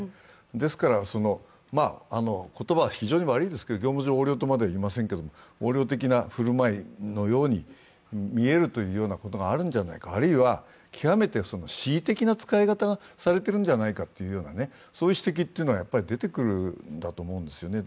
ですから、言葉は非常に悪いですけれども、業務上横領とまでは言いませんけれども、横領の振る舞いに見えるということがあるんじゃないか、あるいは極めて恣意的な使い方がされているんじゃないかという指摘が出てくるんだと思うんですよね。